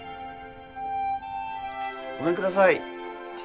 ごめんください。